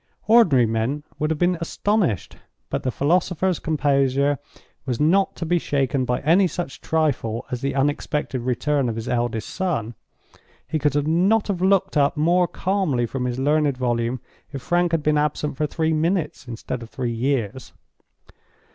Ordinary men would have been astonished. But the philosopher's composure was not to be shaken by any such trifle as the unexpected return of his eldest son. He could not have looked up more calmly from his learned volume if Frank had been absent for three minutes instead of three years.